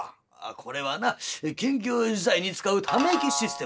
「これはな緊急事態に使うため息システムだ」。